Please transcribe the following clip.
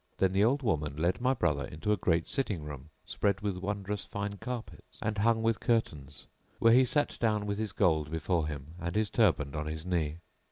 Then the old woman led my brother into a great sitting room spread with wondrous fine carpets and hung with curtains, where he sat down with his gold before him, and his turband on his knee.